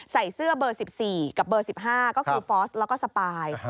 ใส่เสื้อเบอร์๑๔กับเบอร์๑๕ก็คือฟอสแล้วก็สปาย